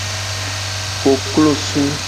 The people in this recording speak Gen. Koklosu.